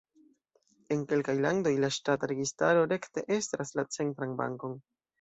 En kelkaj landoj la ŝtata registaro rekte estras la centran bankon.